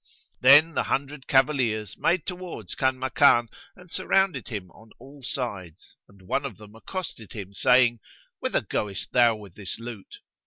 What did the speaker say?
"[FN#99] Then the hundred cavaliers made towards Kanmakan and surrounded him on all sides, and one of them accosted him, saying, "Whither goest thou with this loot?"